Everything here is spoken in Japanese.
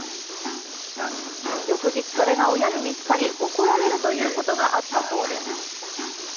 翌日、それが親に見つかり怒られるということがあったそうです。